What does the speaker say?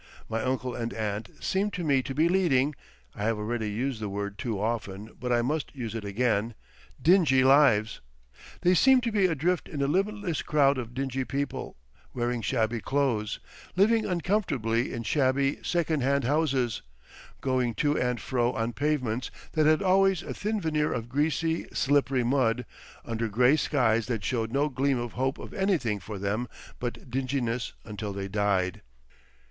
My uncle and aunt seemed to me to be leading—I have already used the word too often, but I must use it again—dingy lives. They seemed to be adrift in a limitless crowd of dingy people, wearing shabby clothes, living uncomfortably in shabby second hand houses, going to and fro on pavements that had always a thin veneer of greasy, slippery mud, under grey skies that showed no gleam of hope of anything for them but dinginess until they died.